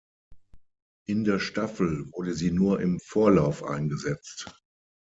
In der Staffel wurde sie nur im Vorlauf eingesetzt.